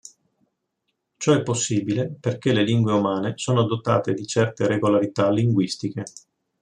Ciò è possibile perché le lingue umane sono dotate di certe regolarità linguistiche.